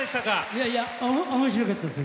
いやいやおもしろかったです。